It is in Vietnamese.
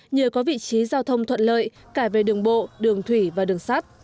nhờ có vị trí giao thông thuận lợi cả về đường bộ đường thủy và đường sắt